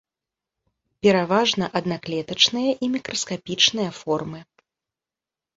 Пераважна аднаклетачныя і мікраскапічныя формы.